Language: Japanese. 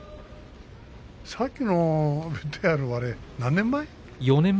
さっきのＶＴＲは何年前？